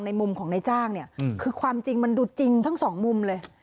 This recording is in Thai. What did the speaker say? มุมของนายจ้างเนี่ยคือความจริงมันดูจริงทั้งสองมุมเลย